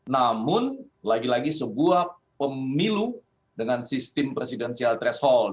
namun lagi lagi sebuah pemilu dengan sistem presidensial threshold